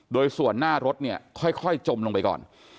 โดยส่วนหน้ารถเนี่ยค่อยจมลงไปก่อน